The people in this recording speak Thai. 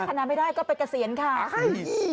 ถ้าพัฒนาไม่ได้ก็ไปเกษียณค่ะ